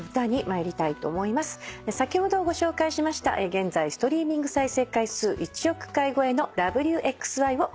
先ほどご紹介しました現在ストリーミング再生回数１億回超えの『Ｗ／Ｘ／Ｙ』を歌っていただきます。